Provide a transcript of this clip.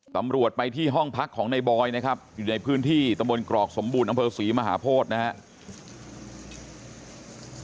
ตำรวจไปที่ห้องพักของในบอยนะครับอยู่ในพื้นที่ตะบนกรอกสมบูรณ์อำเภอศรีมหาโพธินะครับ